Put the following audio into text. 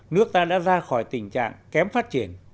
nước ta đã ra khỏi tình trạng kém phát triển